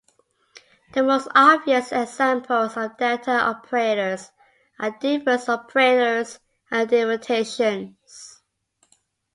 The most obvious examples of delta operators are difference operators and differentiation.